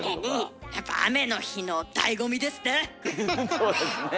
そうですね。